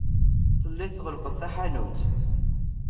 Telliḍ tɣellqeḍ taḥanut.